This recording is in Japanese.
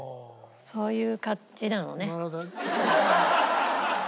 そういう感じなのね。